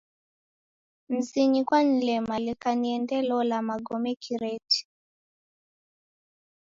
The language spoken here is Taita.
Mzinyi kwanilema leka niendelola magome kireti.